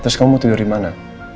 terus kamu mau tidur dimana